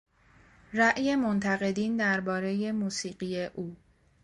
رای منتقدین دربارهی موسیقی او